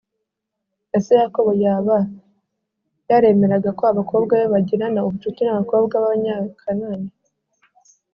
Ese Yakobo yaba yaremeraga ko abakobwa be bagirana ubucuti n abakobwa b Abanyakanaani